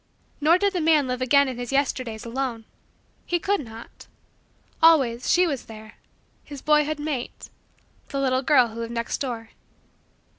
Nor did the man live again in his Yesterdays alone. He could not. Always, she was there his boyhood mate the little girl who lived next door.